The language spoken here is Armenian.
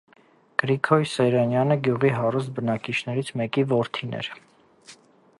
Գրիգոր Սեյրանյանը գյուղի հարուստ բնակիչներից մեկի որդին էր: